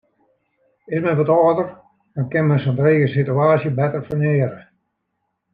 Is men wat âlder, dan kin men sa'n drege sitewaasje better ferneare.